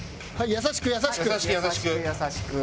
優しく優しく。